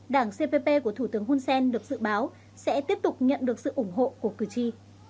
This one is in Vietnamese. đảng cpp của thủ tướng hun sen được dự báo sẽ tiếp tục nhận được sự ủng hộ của cử tri